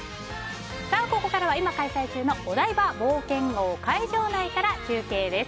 さあ、ここからは今開催中のお台場冒険王会場内から中継です。